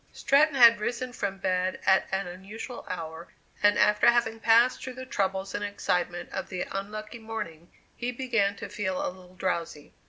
Stratton had risen from bed at an unusual hour, and after having passed through the troubles and excitements of the unlucky morning, he began to feel a little drowsy.